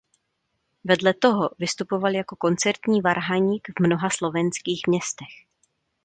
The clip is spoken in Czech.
Vedle toho vystupoval jako koncertní varhaník v mnoha slovenských městech.